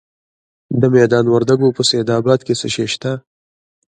د میدان وردګو په سید اباد کې څه شی شته؟